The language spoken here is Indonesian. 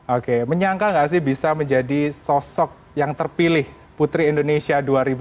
oke menyangka gak sih bisa menjadi sosok yang terpilih putri indonesia dua ribu dua puluh